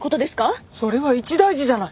それは一大事じゃない！